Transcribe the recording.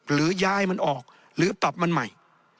หรือย้ายมันออกหรือปรับมันใหม่